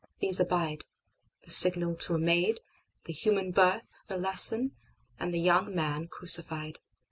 These abide:The signal to a maid, the human birth, The lesson, and the young Man crucified.